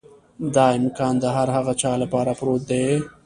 دا امکان د هر هغه چا لپاره پروت دی.